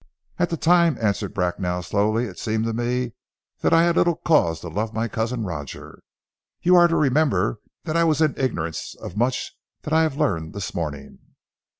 "At that time," answered Bracknell slowly, "it seemed to me that I had little cause to love my Cousin Roger. You are to remember that I was in ignorance of much that I have learned this morning."